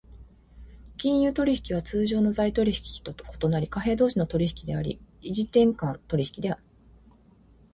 金融取引は通常の財取引と異なり、貨幣同士の取引であり、異時点間取引である。